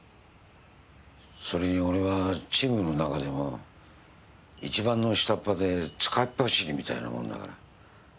それに俺はチームの中でも一番の下っ端で使いっ走りみたいなもんだから。